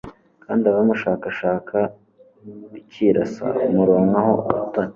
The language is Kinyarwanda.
kandi abamushakashaka rikirasa, bamuronkaho ubutoni